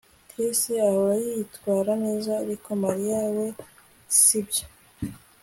Chris ahora yitwara neza Ariko Mariya we sibyo